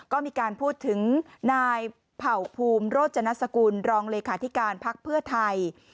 ก็มีการพูดถึงนายเผ่าภูมิโรจนัสกุลรองเลขาธิการพักเพื่อไทย